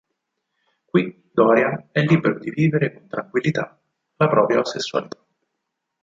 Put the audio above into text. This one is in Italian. Qui Dorian è libero di vivere con tranquillità la propria omosessualità.